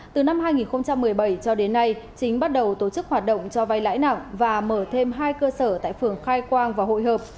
từ năm hai nghìn một mươi bảy cho đến nay chính bắt đầu tổ chức hoạt động cho vay lãi nặng và mở thêm hai cơ sở tại phường khai quang và hội hợp